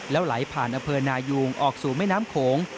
ไหลผ่านอำเภอนายุงออกสู่แม่น้ำโขง